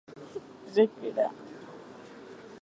Chekyra.